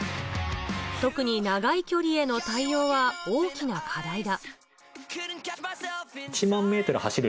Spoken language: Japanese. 特に長い距離への対応は大きな課題だ。